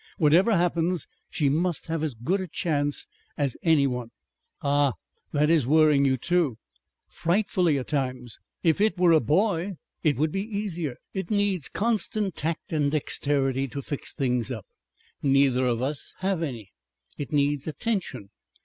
Whatever happens, she must have as good a chance as anyone...." "Ah! That is worrying you too!" "Frightfully at times. If it were a boy it would be easier. It needs constant tact and dexterity to fix things up. Neither of us have any. It needs attention...."